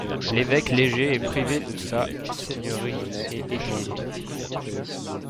L'évêque Léger est privé de sa seigneurie et exilé.